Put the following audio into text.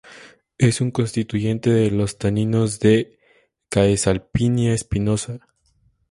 Es un constituyente de los taninos de "Caesalpinia spinosa".